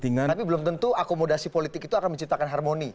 tapi belum tentu akomodasi politik itu akan menciptakan harmoni